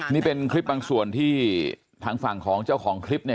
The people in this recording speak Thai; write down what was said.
นี่เป็นคลิปบางส่วนที่ทางฝั่งของเจ้าของคลิปเนี่ย